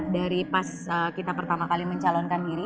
dari pas kita pertama kali mencalonkan diri di dua ribu sembilan belas